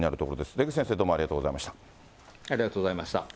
出口先生、どうもありがとうござありがとうございました。